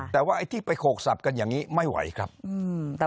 แต่ว่าไอ้ที่ไปโขกสับกันอย่างนี้ไม่ไหวครับอืม